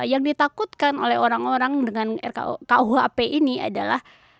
yang ditakutkan oleh orang orang dengan rkuhp ini adalah